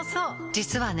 実はね